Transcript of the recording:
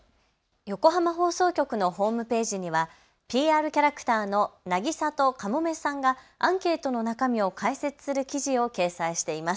横浜放送局のホームページにはＰＲキャラクターのなぎさとカモメさんがアンケートの中身を解説する記事を掲載しています。